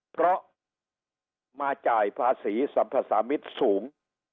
เพราะมาจ่ายภาษีสัมภาษามิตรสูง